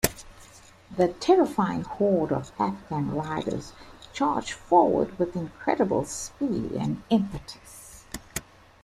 The terrifying horde of Afghan riders charged forward with incredible speed and impetus.